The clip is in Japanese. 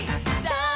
さあ